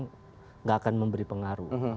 tadi bilang gak akan memberi pengaruh